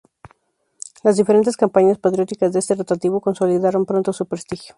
Las diferentes campañas patrióticas de este rotativo consolidaron pronto su prestigio.